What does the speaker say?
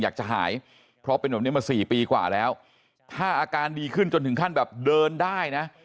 อยากจะหายเพราะเป็นแบบนี้มาสี่ปีกว่าแล้วถ้าอาการดีขึ้นจนถึงขั้นแบบเดินได้นะ